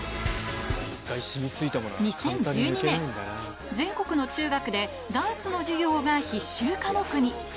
２０１２年、全国の中学で、ダンスの授業が必修科目に。